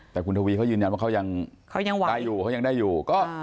แต่คุณทวีเขายืนยันว่าเขายังหวังได้อยู่เขายังได้อยู่